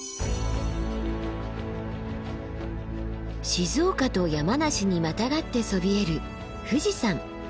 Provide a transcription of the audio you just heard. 静岡と山梨にまたがってそびえる富士山。